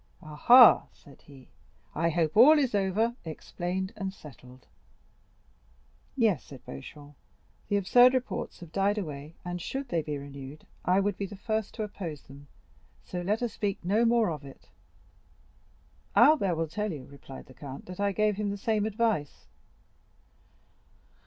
"Ah, ha!" said he, "I hope all is over, explained and settled." "Yes," said Beauchamp; "the absurd reports have died away, and should they be renewed, I would be the first to oppose them; so let us speak no more of it." "Albert will tell you," replied the count "that I gave him the same advice.